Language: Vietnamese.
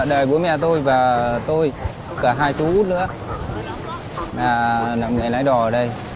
đời bố mẹ tôi và tôi cả hai chú út nữa là người lái đò ở đây